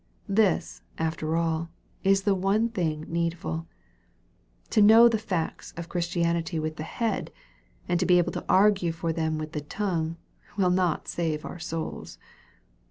This, after all, is the one thing needful. To know the facts of Chris tianity with the head, and to be able to argue for them with the tongue, will not save our souls.